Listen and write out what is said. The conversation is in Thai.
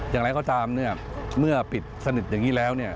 อย่างไรข้อตามเมื่อปิดสนิทอย่างนี้แล้ว